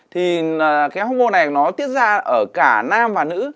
thì cái homo này nó tiết ra ở cả nam và nữ